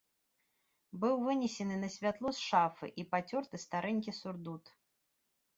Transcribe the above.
Быў вынесены на святло з шафы і пацёрты старэнькі сурдут.